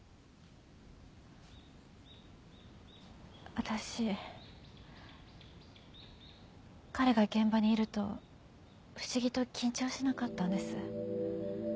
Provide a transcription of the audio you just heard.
私彼が現場にいると不思議と緊張しなかったんです。